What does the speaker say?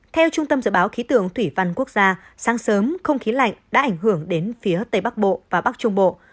theo trung tâm dự báo khí tượng thủy văn quốc gia sáng sớm không khí lạnh đã ảnh hưởng đến phía tây bắc bộ và bắc trung bộ